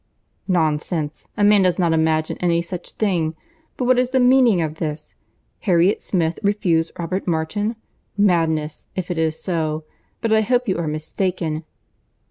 "Nonsense! a man does not imagine any such thing. But what is the meaning of this? Harriet Smith refuse Robert Martin? madness, if it is so; but I hope you are mistaken."